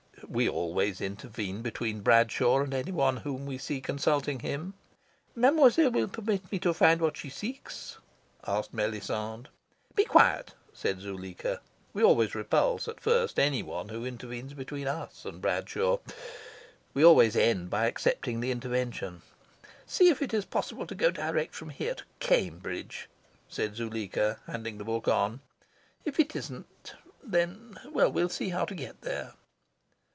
We always intervene between Bradshaw and any one whom we see consulting him. "Mademoiselle will permit me to find that which she seeks?" asked Melisande. "Be quiet," said Zuleika. We always repulse, at first, any one who intervenes between us and Bradshaw. We always end by accepting the intervention. "See if it is possible to go direct from here to Cambridge," said Zuleika, handing the book on. "If it isn't, then well, see how to get there."